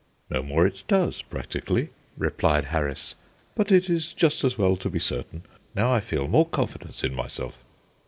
"No more it does, practically," replied Harris, "but it is just as well to be certain. Now I feel more confidence in myself."